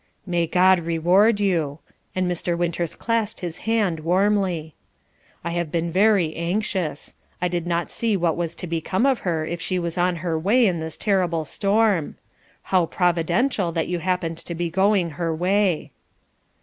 "May God reward you," and Mr. Winters clasped his hand warmly. "I have been very anxious. I did not see what was to become of her if she was on her way in this terrible storm. How providential that you happened to be going her way."